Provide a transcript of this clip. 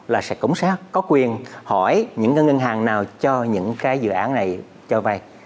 là sẽ cống xác có quyền hỏi những cái ngân hàng nào cho những cái dự án này cho vay